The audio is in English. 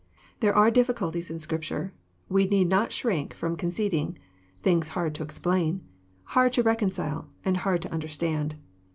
There are difficulties in Scripture, we need not shrink from conceding, things hard to explain, hard to reconcile, and hard to understand.